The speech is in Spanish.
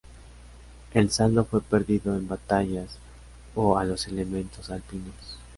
El saldo fue perdido en batallas o a los elementos Alpinos.